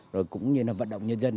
rồi cũng như là vận động nhân dân